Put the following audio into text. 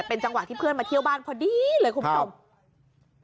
เป็นจังหวะที่เพื่อนมาเที่ยวบ้านพอดีเลยคุณผู้ชม